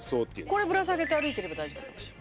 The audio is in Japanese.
これぶら下げて歩いてれば大丈夫なのかしら。